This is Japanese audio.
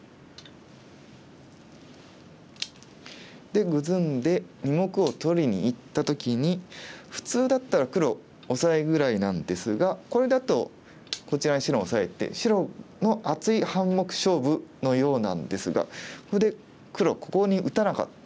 でグズんで２目を取りにいった時に普通だったら黒オサエぐらいなんですがこれだとこちらに白がオサえて白の厚い半目勝負のようなんですがここで黒ここに打たなかった。